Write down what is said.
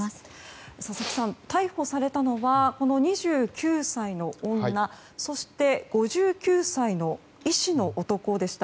佐々木さん、逮捕されたのはこの２９歳の女そして５９歳の医師の男でした。